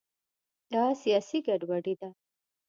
دا سیاسي ګډوډي ده.